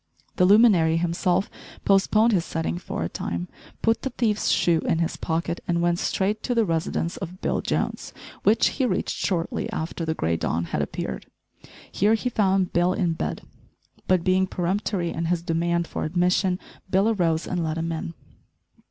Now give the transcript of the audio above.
The luminary himself postponed his setting for a time, put the thief's shoe in his pocket and went straight to the residence of Bill Jones, which he reached shortly after the grey dawn had appeared. Here he found Bill in bed; but being peremptory in his demand for admission, Bill arose and let him in.